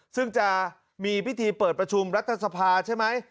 ซึ่งจะมีพิธีเปิดประชุมรัฐสภาใช่ไหม